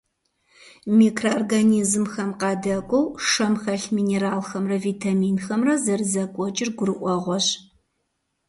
Микроорганизмхэм къадэкӀуэу, шэм хэлъ минералхэмрэ витаминхэмрэ зэрызэкӀуэкӀыр гурыӀуэгъуэщ.